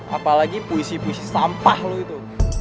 apalagi puisi puisi sampah loh itu